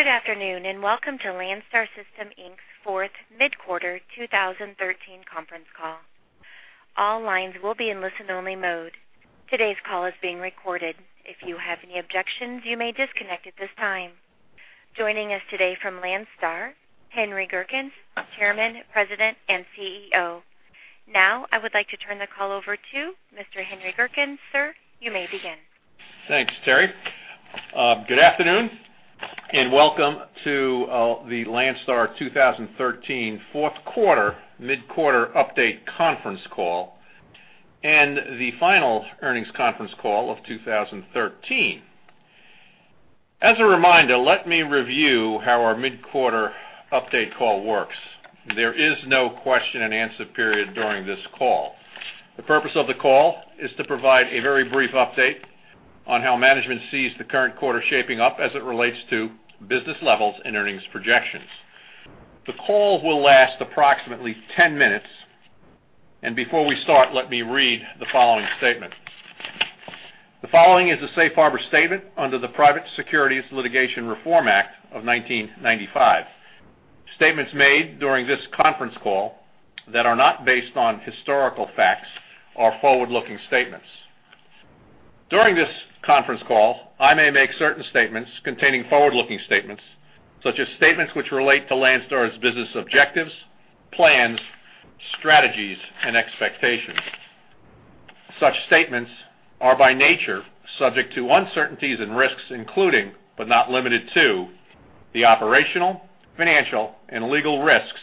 Good afternoon and welcome to Landstar System, Inc's fourth mid-quarter 2013 conference call. All lines will be in listen-only mode. Today's call is being recorded. If you have any objections, you may disconnect at this time. Joining us today from Landstar, Henry Gerkens, Chairman, President, and CEO. Now, I would like to turn the call over to Mr. Henry Gerkens. Sir, you may begin. Thanks, Terri. Good afternoon and welcome to the Landstar 2013 fourth quarter mid-quarter update conference call and the final earnings conference call of 2013. As a reminder, let me review how our mid-quarter update call works. There is no question and answer period during this call. The purpose of the call is to provide a very brief update on how management sees the current quarter shaping up as it relates to business levels and earnings projections. The call will last approximately 10 minutes, and before we start, let me read the following statement. The following is a safe harbor statement under the Private Securities Litigation Reform Act of 1995. Statements made during this conference call that are not based on historical facts are forward-looking statements. During this conference call, I may make certain statements containing forward-looking statements, such as statements which relate to Landstar's business objectives, plans, strategies, and expectations. Such statements are by nature subject to uncertainties and risks, including, but not limited to, the operational, financial, and legal risks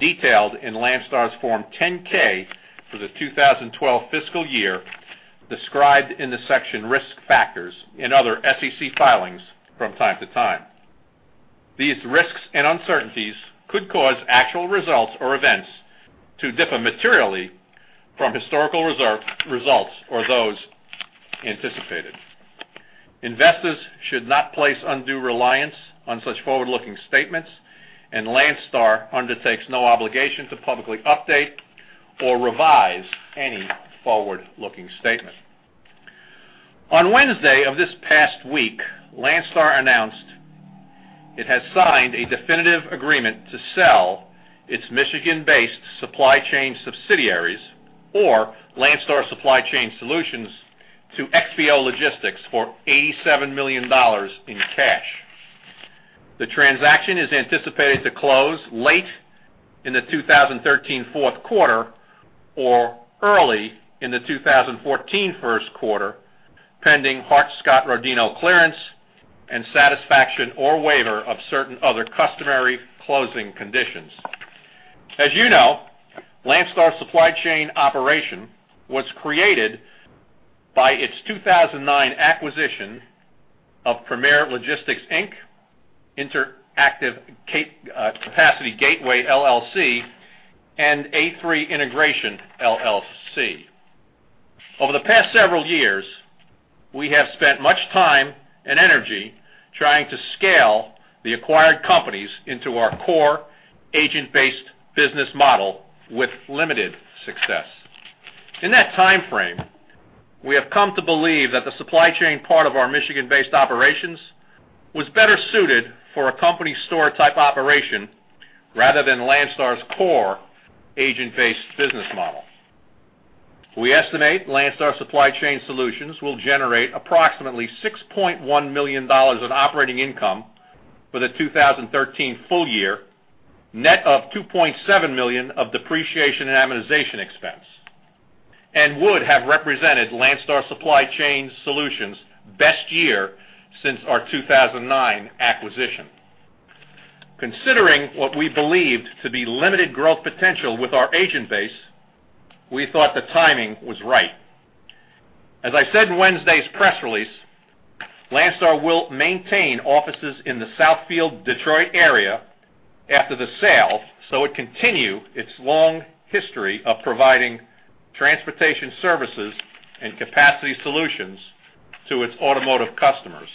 detailed in Landstar's Form 10-K for the 2012 fiscal year, described in the section Risk Factors in other SEC filings from time to time. These risks and uncertainties could cause actual results or events to differ materially from historical results or those anticipated. Investors should not place undue reliance on such forward-looking statements, and Landstar undertakes no obligation to publicly update or revise any forward-looking statement. On Wednesday of this past week, Landstar announced it has signed a definitive agreement to sell its Michigan-based supply chain subsidiaries, or Landstar Supply Chain Solutions, to XPO Logistics for $87 million in cash. The transaction is anticipated to close late in the 2013 fourth quarter or early in the 2014 first quarter, pending Hart-Scott-Rodino clearance and satisfaction or waiver of certain other customary closing conditions. As you know, Landstar Supply Chain Solutions was created by its 2009 acquisition of Premier Logistics Inc., Interactive Capacity Gateway LLC, and A3 Integration LLC. Over the past several years, we have spent much time and energy trying to scale the acquired companies into our core agent-based business model with limited success. In that time frame, we have come to believe that the supply chain part of our Michigan-based operations was better suited for a company store type operation rather than Landstar's core agent-based business model. We estimate Landstar Supply Chain Solutions will generate approximately $6.1 million in operating income for the 2013 full year, net of $2.7 million of depreciation and amortization expense, and would have represented Landstar Supply Chain Solutions' best year since our 2009 acquisition. Considering what we believed to be limited growth potential with our agent base, we thought the timing was right. As I said in Wednesday's press release, Landstar will maintain offices in the Southfield, Detroit area after the sale, so it continues its long history of providing transportation services and capacity solutions to its automotive customers.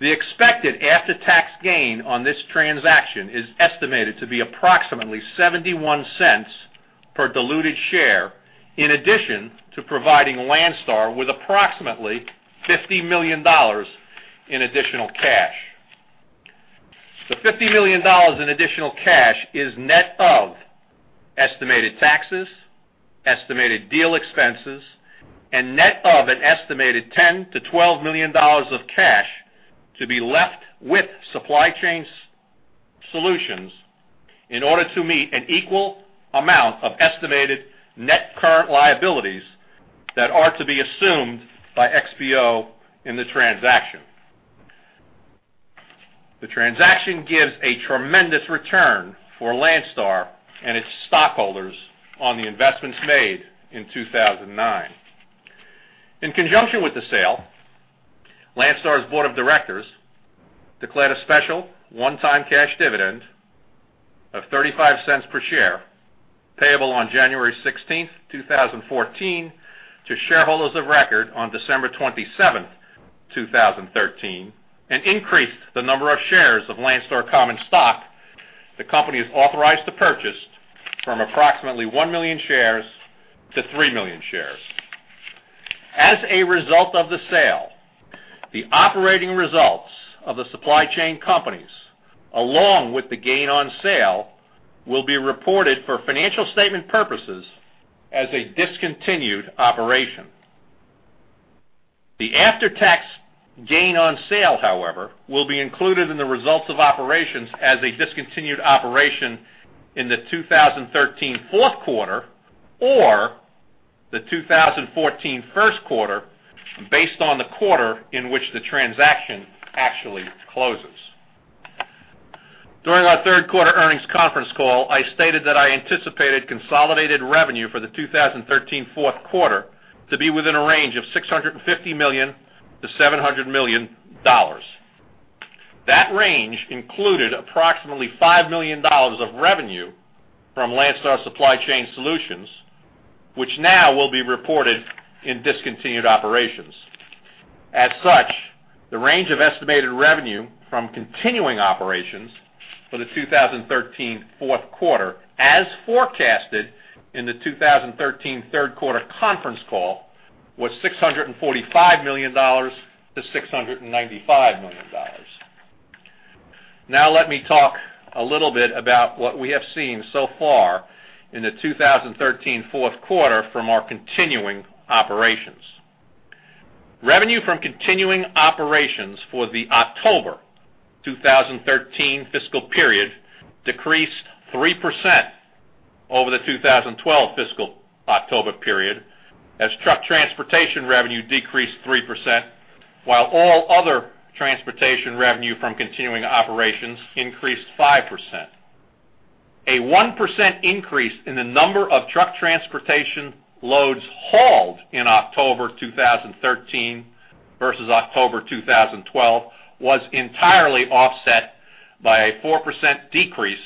The expected after-tax gain on this transaction is estimated to be approximately $0.71 per diluted share, in addition to providing Landstar with approximately $50 million in additional cash. The $50 million in additional cash is net of estimated taxes, estimated deal expenses, and net of an estimated $10 million-$12 million of cash to be left with Supply Chain Solutions in order to meet an equal amount of estimated net current liabilities that are to be assumed by XPO in the transaction. The transaction gives a tremendous return for Landstar and its stockholders on the investments made in 2009. In conjunction with the sale, Landstar's board of directors declared a special one-time cash dividend of $0.35 per share, payable on January 16, 2014, to shareholders of record on December 27, 2013, and increased the number of shares of Landstar Common Stock the company is authorized to purchase from approximately 1 million shares to 3 million shares. As a result of the sale, the operating results of the supply chain companies, along with the gain on sale, will be reported for financial statement purposes as a discontinued operation. The after-tax gain on sale, however, will be included in the results of operations as a discontinued operation in the 2013 fourth quarter or the 2014 first quarter, based on the quarter in which the transaction actually closes. During our third quarter earnings conference call, I stated that I anticipated consolidated revenue for the 2013 fourth quarter to be within a range of $650 million-$700 million. That range included approximately $5 million of revenue from Landstar Supply Chain Solutions, which now will be reported in discontinued operations. As such, the range of estimated revenue from continuing operations for the 2013 fourth quarter, as forecasted in the 2013 third quarter conference call, was $645 million-$695 million. Now, let me talk a little bit about what we have seen so far in the 2013 fourth quarter from our continuing operations. Revenue from continuing operations for the October 2013 fiscal period decreased 3% over the 2012 fiscal October period, as truck transportation revenue decreased 3%, while all other transportation revenue from continuing operations increased 5%. A 1% increase in the number of truck transportation loads hauled in October 2013 versus October 2012 was entirely offset by a 4% decrease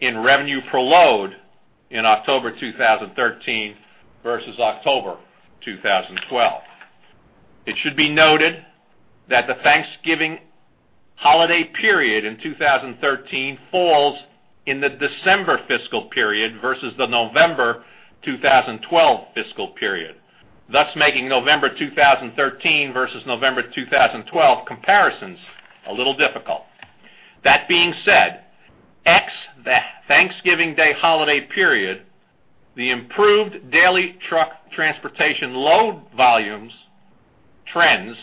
in revenue per load in October 2013 versus October 2012. It should be noted that the Thanksgiving holiday period in 2013 falls in the December fiscal period versus the November 2012 fiscal period, thus making November 2013 versus November 2012 comparisons a little difficult. That being said, ex Thanksgiving Day holiday period, the improved daily truck transportation load volumes trends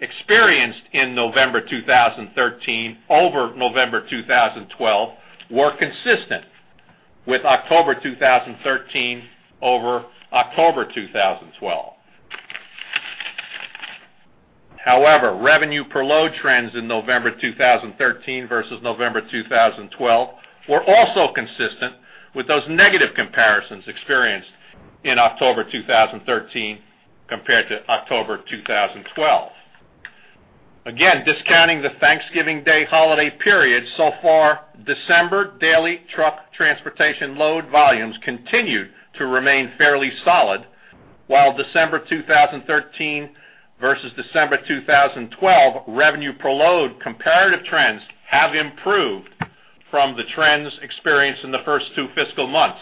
experienced in November 2013 over November 2012 were consistent with October 2013 over October 2012. However, revenue per load trends in November 2013 versus November 2012 were also consistent with those negative comparisons experienced in October 2013 compared to October 2012. Again, discounting the Thanksgiving Day holiday period, so far December daily truck transportation load volumes continued to remain fairly solid, while December 2013 versus December 2012 revenue per load comparative trends have improved from the trends experienced in the first two fiscal months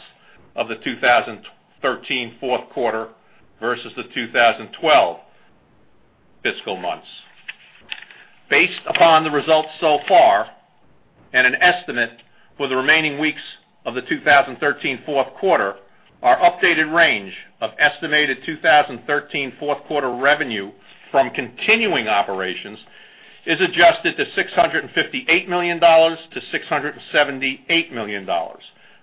of the 2013 fourth quarter versus the 2012 fiscal months. Based upon the results so far and an estimate for the remaining weeks of the 2013 fourth quarter, our updated range of estimated 2013 fourth quarter revenue from continuing operations is adjusted to $658 million-$678 million,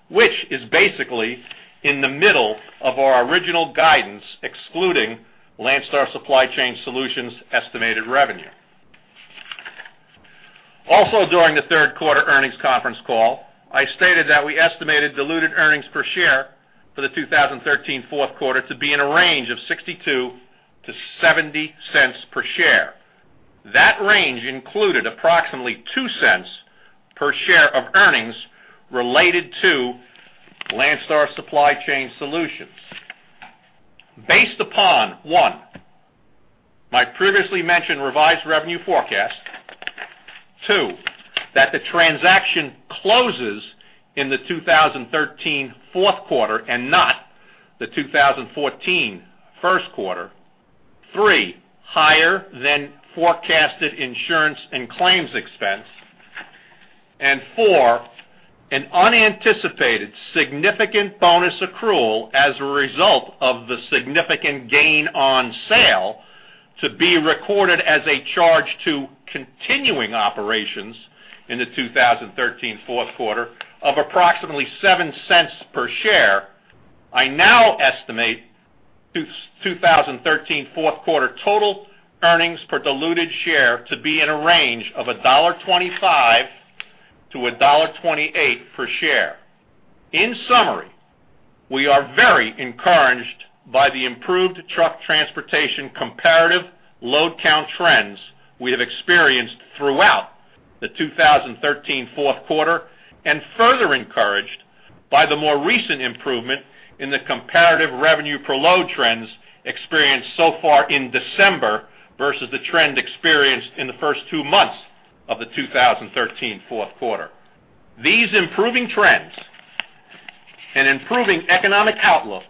which is basically in the middle of our original guidance excluding Landstar Supply Chain Solutions' estimated revenue. Also, during the third quarter earnings conference call, I stated that we estimated diluted earnings per share for the 2013 fourth quarter to be in a range of $0.62-$0.70 per share. That range included approximately $0.02 per share of earnings related to Landstar Supply Chain Solutions. Based upon one, my previously mentioned revised revenue forecast, two, that the transaction closes in the 2013 fourth quarter and not the 2014 first quarter, three, higher than forecasted insurance and claims expense, and four, an unanticipated significant bonus accrual as a result of the significant gain on sale to be recorded as a charge to continuing operations in the 2013 fourth quarter of approximately $0.07 per share. I now estimate 2013 fourth quarter total earnings per diluted share to be in a range of $1.25-$1.28 per share. In summary, we are very encouraged by the improved truck transportation comparative load count trends we have experienced throughout the 2013 fourth quarter and further encouraged by the more recent improvement in the comparative revenue per load trends experienced so far in December versus the trend experienced in the first two months of the 2013 fourth quarter. These improving trends and improving economic outlook,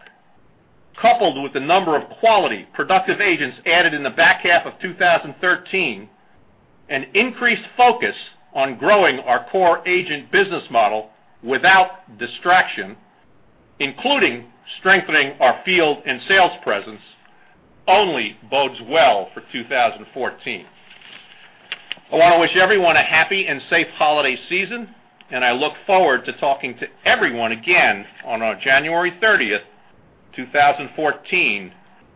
coupled with the number of quality productive agents added in the back half of 2013, and increased focus on growing our core agent business model without distraction, including strengthening our field and sales presence, only bodes well for 2014. I want to wish everyone a happy and safe holiday season, and I look forward to talking to everyone again on our January 30th, 2014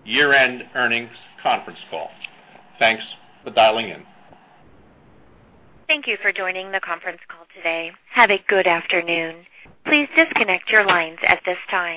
year-end earnings conference call. Thanks for dialing in. Thank you for joining the conference call today. Have a good afternoon. Please disconnect your lines at this time.